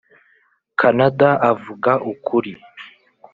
kanada avuga ukuri